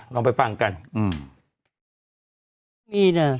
ลองไปฟังกันอืม